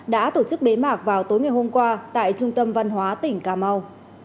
đã tổ chức bế mạc vào tối ngày hôm qua tại trung tâm văn hóa tỉnh cà mau